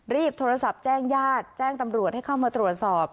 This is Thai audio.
รีบโทรศัพท์แจ้งญาติแจ้งตำรวจให้เข้ามาตรวจสอบ